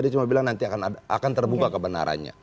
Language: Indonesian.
dia cuma bilang nanti akan terbuka kebenarannya